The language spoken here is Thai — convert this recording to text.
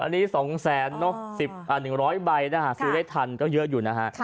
อันนี้๒แสนเนอะ๑๐๐ใบนะฮะซื้อได้ทันก็เยอะอยู่นะฮะ